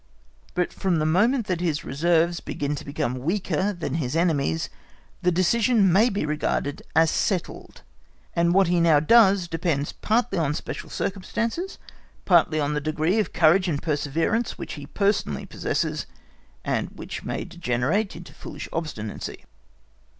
But from the moment that his reserves begin to become weaker than his enemy's, the decision may be regarded as settled, and what he now does depends partly on special circumstances, partly on the degree of courage and perseverance which he personally possesses, and which may degenerate into foolish obstinacy.